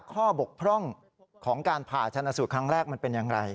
ข้อบกพร่องของการผ่าศพครั้งแรกมันเป็นอย่างไร